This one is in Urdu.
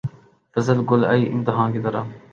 فصل گل آئی امتحاں کی طرح